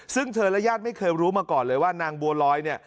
ซึ่งเธอและญาติไม่เคยรู้มาก่อนเลยว่านางบัวลอยเนี่ย